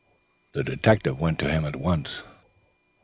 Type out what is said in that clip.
The detective went to him at once.